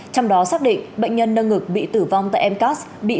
trong đó xác định bệnh nhân nâng ngực bị tử vong tại mcas bị